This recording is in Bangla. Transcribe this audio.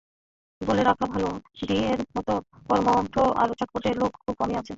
বলে রাখা ভালো, ডি-এর মতো কর্মঠ আর চটপটে লোক খুব কমই দেখা যায়।